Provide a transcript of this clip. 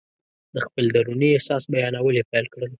د خپل دروني احساس بیانول یې پیل کړل.